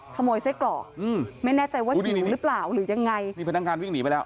ขโมยไส้กรอกอืมไม่แน่ใจว่าหิวหรือเปล่าหรือยังไงนี่พนักงานวิ่งหนีไปแล้ว